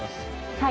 はい。